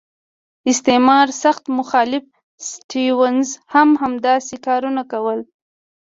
استعمار سخت مخالف سټیونز هم همداسې کارونه کول.